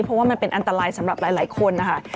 เพราะว่ามันเป็นอันตรายสำหรับหลายคนนะคะ